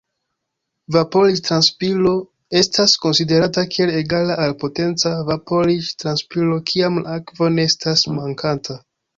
Vaporiĝ-transpiro estas konsiderata kiel egala al potenca vaporiĝ-transpiro kiam la akvo ne estas mankanta.